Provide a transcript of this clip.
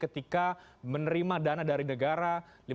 ketika menerima dana dari negara